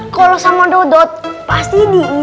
kalau sama dodot pasti ini